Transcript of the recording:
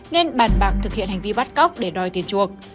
nên bàn bạc thực hiện hành vi bắt cóc để đòi tiền chuộc